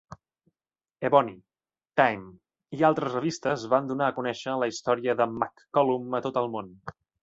"Ebony", "Time" i altres revistes van donar a conèixer la història de McCollum a tot el món.